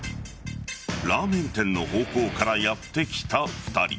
ラーメン店の方向からやってきた２人。